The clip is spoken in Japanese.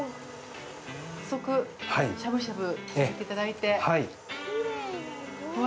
早速しゃぶしゃぶさせていただいて。